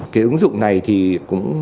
cái ứng dụng này thì cũng